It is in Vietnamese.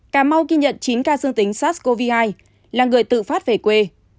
cà mau ghi nhận chín ca dương tính sars cov hai là người tự phát về quê